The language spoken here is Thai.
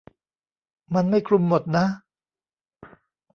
มันไม่คลุมหมดนะ